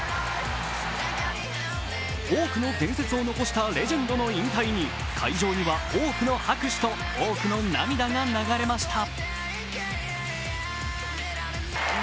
多くの伝説を残したレジェンドの引退に会場には多くの拍手と多くの涙が流れました。